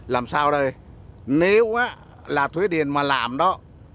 làm sao đây nếu là thuế điện mà làm đó